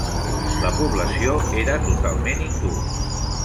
La població era totalment hindú.